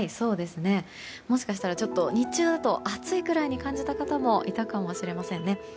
もしかしたら日中だと暑いぐらいに感じた方もいたかもしれませんね。